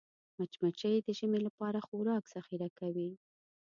مچمچۍ د ژمي لپاره خوراک ذخیره کوي